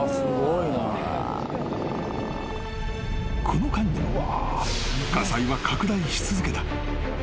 ［この間にも火災は拡大し続けた］